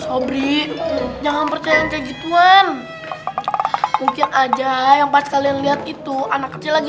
hobri jangan percaya kayak gituan mungkin aja yang pas kalian lihat itu anak kecil lagi